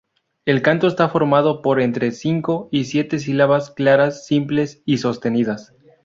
El canto está formado por entre cinco y siete sílabas, claras, simples y sostenidas.